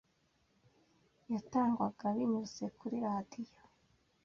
yatangwaga binyuze kuri radio,